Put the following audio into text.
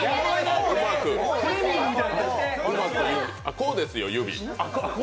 こうですよ、指。